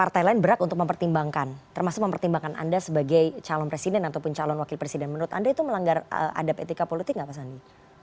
termasuk mempertimbangkan anda sebagai calon presiden ataupun calon wakil presiden menurut anda itu melanggar adab etika politik gak pak sandi